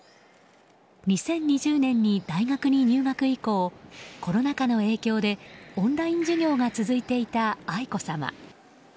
２０２０年に大学に入学以降コロナ禍の影響でオンライン授業が続いていた愛子さま。